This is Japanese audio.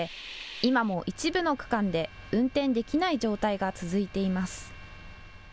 今も一部の区間で運転できない状態が続いています。